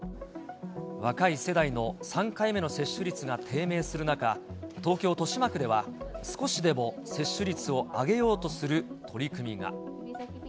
若い世代の３回目の接種率が低迷する中、東京・豊島区では、少しでも接種率を上げようとする取り組みが。